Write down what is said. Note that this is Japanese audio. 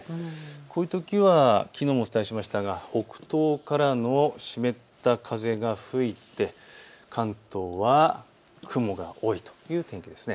こういうときはきのうもお伝えしましたが北東からの湿った風が吹いて関東は雲が多いという天気です。